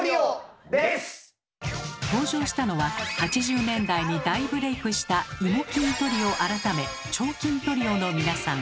登場したのは８０年代に大ブレイクしたイモ欽トリオ改め「腸菌トリオ」の皆さん。